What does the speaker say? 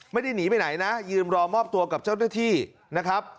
ไม่ได้หนีไปไหนนะยืนรอมอบตัวกับเจ้าหน้าที่นะครับ